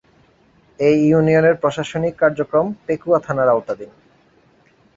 এ ইউনিয়নের প্রশাসনিক কার্যক্রম পেকুয়া থানার আওতাধীন।